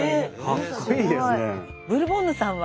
ブルボンヌさんは？